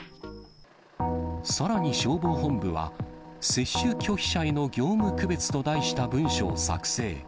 さらに消防本部は、接種拒否者への業務区別と題した文書を作成。